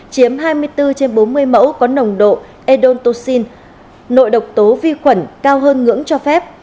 chiếm hai mươi bốn trên bốn mươi mẫu có nồng độ edontocin nội độc tố vi khuẩn cao hơn ngưỡng cho phép